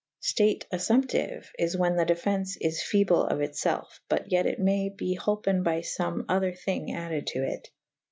State affumptyue is whan the defence is feble of it felfe / but yet it may be holpen by fome other thynge added to it.